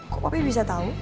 kok papi bisa tau